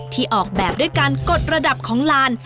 ออกแบบด้วยการกดระดับของลาน